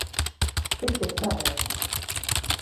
Que pesada é!